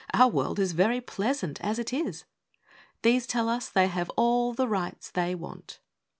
Our world is very pleasant as it is" These tell us they have all the rights they want.